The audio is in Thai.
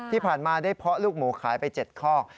ที่ผ่านมาได้เพาะลูกหมูขายไป๗คอก